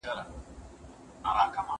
کېدای سي قلم خراب وي!